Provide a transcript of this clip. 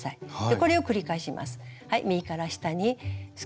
これを繰り返します。